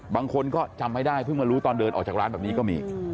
บางคนก็จำไม่ได้เพิ่งมารู้ตอนเดินออกจากร้านแบบนี้ก็มี